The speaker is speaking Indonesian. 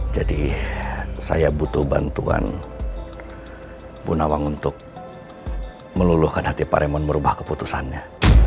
jadi saya butuh bantuan bunawang untuk meluluhkan hati pak raymond merubah keputusannya